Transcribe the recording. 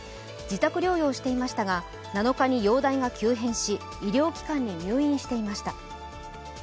自宅療養していましたが、７日に容体が急変し、医療機関に入院していました。